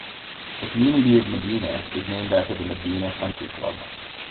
The community of Medinah is named after the Medinah Country Club.